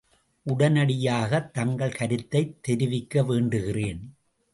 உடனடியாகத் தங்கள் கருத்தைத் தெரிவிக்க வேண்டுகிறேன்.